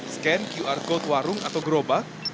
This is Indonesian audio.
scan qr code warung atau gerobak